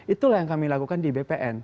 itulah yang kami lakukan di bpn